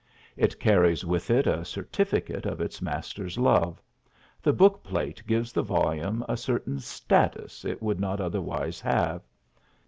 It carries with it a certificate of its master's love; the bookplate gives the volume a certain status it would not otherwise have.